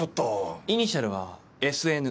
イニシャルはＳＮ。